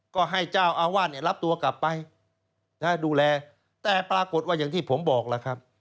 ก็ให้เจ้าอาวาสเนี่ยรับตัวกลับไปดูแลแต่ปรากฏว่าอย่างที่ผมบอกแล้วครับ